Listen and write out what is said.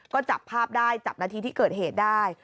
ก็จับภาพได้จับนาทีที่เกิดเหตุได้